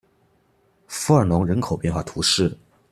弗尔农人口变化图示